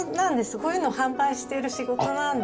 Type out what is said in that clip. こういうのを販売している仕事なので。